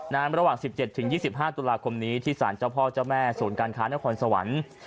ระหว่าง๑๗๒๕ตุลาคมนี้ที่สารเจ้าพ่อเจ้าแม่ศูนย์การค้านครสวรรค์